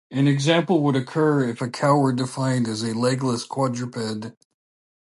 An example would occur if a cow were defined as a legless quadruped.